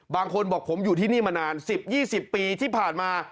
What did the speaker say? บางคนบอกผมอยู่ที่นี่มานาน๑๐๒๐ปีที่ผ่านมา